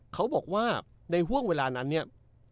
เขาบอกว่าในห่วงเวลานั้นเนี่ย